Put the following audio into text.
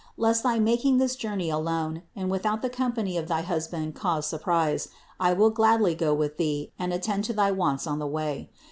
Lest thy making this journey alone and without the company of thy husband cause surprise I will gladly go with Thee and attend to thy wants on the way.